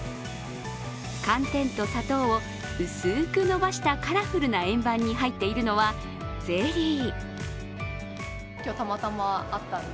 寒天と砂糖を薄く延ばしたカラフルな円盤に入っているのはゼリー。